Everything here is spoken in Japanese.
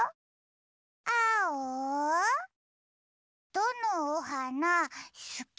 どのおはなすき？